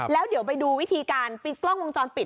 แล้วเดี๋ยวไปดูวิธีการปิดกล้องวงจรปิด